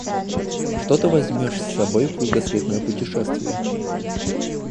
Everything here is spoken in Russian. Что ты возьмешь с собой в кругосветное путешествие?